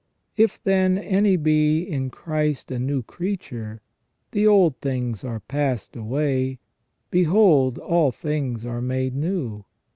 ... If, then, any be in Christ a new creature, the old things are passed away, behold all things are made new.